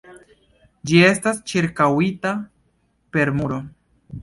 Ĝi estas ĉirkaŭita per muro.